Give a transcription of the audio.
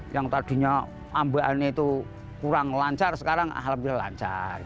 yang tadinya tambahannya itu kurang lancar sekarang alhamdulillah lancar